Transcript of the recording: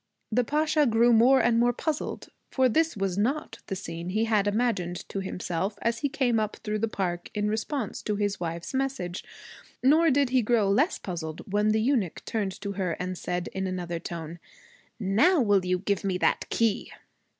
The Pasha grew more and more puzzled, for this was not the scene he had imagined to himself as he came up through the park in response to his wife's message. Nor did he grow less puzzled when the eunuch turned to her and said in another tone, 'Now will you give me that key?'